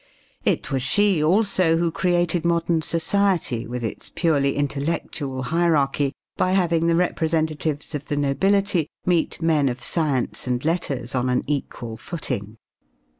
It was she, also, who created modern society with its purely intellectual hierarchy, by having the representatives of the nobility meet men of science and letters on an equal footing.